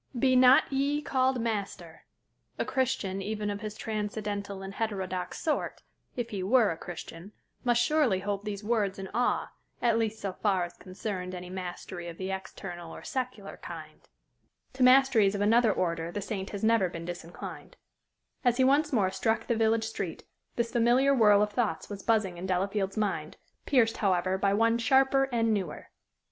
"Be not ye called master" a Christian even of his transcendental and heterodox sort, if he were a Christian, must surely hold these words in awe, at least so far as concerned any mastery of the external or secular kind. To masteries of another order the saint has never been disinclined. As he once more struck the village street, this familiar whirl of thoughts was buzzing in Delafield's mind, pierced, however, by one sharper and newer.